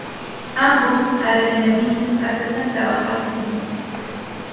Ambos, a regañadientes, aceptan trabajar juntos.